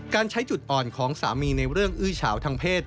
การใช้จุดอ่อนของสามีในเรื่องอื้อเฉาทางเพศ